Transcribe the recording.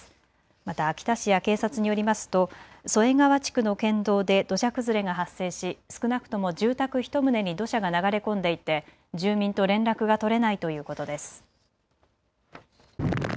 また秋田市や警察によりますと添川地区の県道で土砂崩れが発生し、少なくとも住宅１棟に土砂が流れ込んでいて住民と連絡が取れないということです。